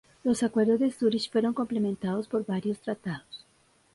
Los acuerdos de Zurich fueron complementados por varios tratados.